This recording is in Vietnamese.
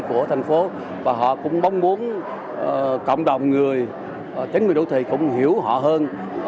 các con người đô thị cũng hiểu họ hơn